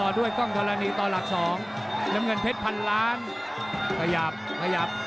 ตลอดด้วยก้องธรณีตราสองกลับเงินเพชรพันล้านขยับขยับ